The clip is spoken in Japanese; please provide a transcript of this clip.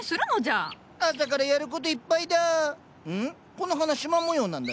この花しま模様なんだね。